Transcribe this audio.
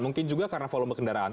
mungkin juga karena volume kendaraan